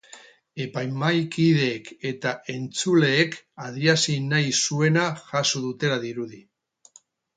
Epaimahai-kideek eta entzuleek adierazi nahi zuena jaso dutela dirudi.